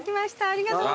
ありがとう。